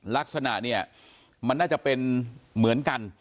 ลักษณะเนี่ยมันน่าจะเป็นเหมือนกัน